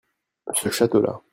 ce château-là.